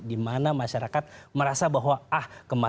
dimana masyarakat merasa bahwa ah kemarin pemilu kemarin pemerintah